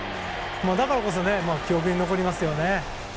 だからこそ記憶に残りますよね。